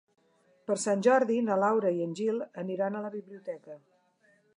Per Sant Jordi na Laura i en Gil aniran a la biblioteca.